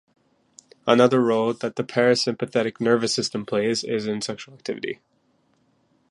Another role that the parasympathetic nervous system plays is in sexual activity.